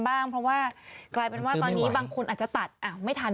บ้างเพราะว่ากลายเป็นว่าตอนนี้บางคนอาจจะตัดอ้าวไม่ทัน